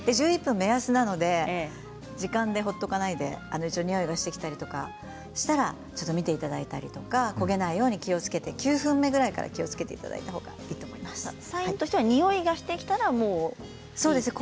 １１分は目安なので時間で放っておかないでにおいがしてきたりとかしたらちょっと見ていただいたりとか焦げないように気をつけて９分目ぐらいから気をつけていただいたほうがいいと思います。